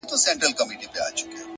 پرمختګ د جرئت او هڅې ملګرتیا ده؛